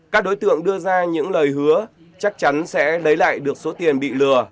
các đối tượng đưa ra những lời hứa chắc chắn sẽ lấy lại được số tiền bị lừa